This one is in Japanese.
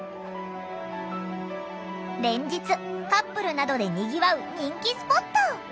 連日カップルなどでにぎわう人気スポット。